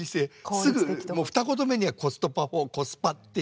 すぐ二言目にはコストパフォーコスパって。